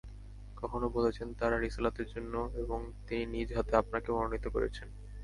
কখনো বলেছেন, তাঁর রিসালাতের জন্য এবং তিনি নিজ হাতে আপনাকে মনোনীত করেছেন।